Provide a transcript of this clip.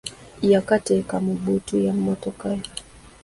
Yakateeka mu bbuutu ya mmotoka ye!